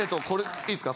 良いですか？